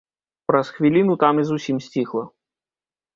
Праз хвіліну там і зусім сціхла.